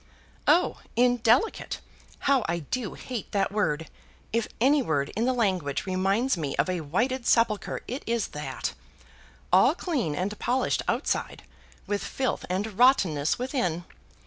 "Oh, indelicate! How I do hate that word. If any word in the language reminds me of a whited sepulchre it is that; all clean and polished outside with filth and rottenness within.